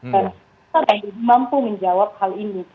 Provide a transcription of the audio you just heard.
dan kita juga mampu menjawab hal ini